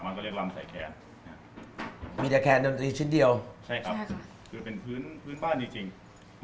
มาร่วมร่วมน้ากริปนายแล้วครับพิชฎ